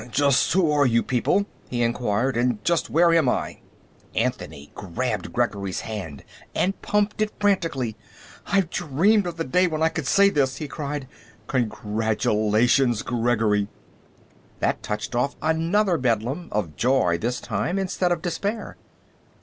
"Just who are you people?" he inquired. "And just where am I?" Anthony grabbed Gregory's hand and pumped it frantically. "I've dreamed of the day when I could say this!" he cried. "Congratulations, Gregory!" That touched off another bedlam, of joy, this time, instead of despair.